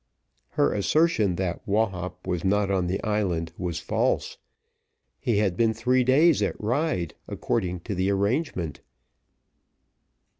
Her assertion that Wahop was not on the island was false. He had been three days at Ryde, according to the arrangement.